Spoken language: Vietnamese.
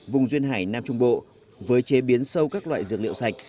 vùng duyên hải nam trung bộ với chế biến sâu các loại dược liệu sạch